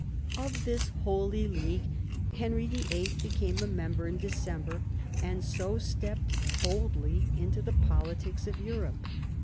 Of this Holy League Henry VIIL became a member in December, and so stepped boldly into the politics of Europe.